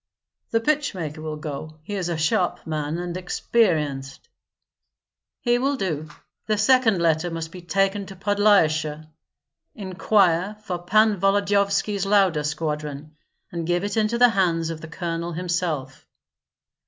"The pitch maker will go; he is a sharp man and experienced." "He will do. The second letter must be taken to Podlyasye; inquire for Pan Volodyovski's Lauda squadron, and give it into the hands of the colonel himself."